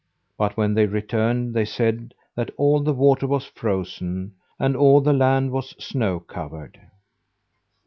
But when they returned, they said that all the water was frozen, and all the land was snow covered.